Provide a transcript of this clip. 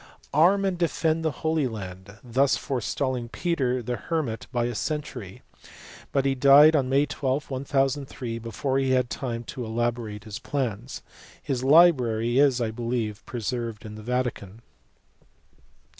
141 arm and defend the Holy Land, thus forestalling Peter the Hermit by a century, but he died on May 12, 1003 before he had time to elaborate his plans. His library is I believe pre served in the Vatican.